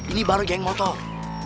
ini baru geng motor